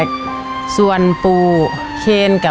ก็ยังดีว่ามีคนมาดูแลน้องเติร์ดให้